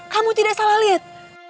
kamu tidak salah lihat